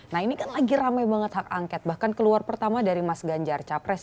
nah ini kan lagi rame banget hak angket bahkan keluar pertama dari mas ganjar capres